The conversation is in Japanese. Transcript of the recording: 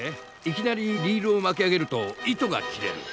いきなりリールを巻き上げると糸が切れる。